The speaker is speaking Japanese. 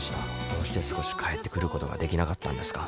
どうして少し帰ってくることができなかったんですか？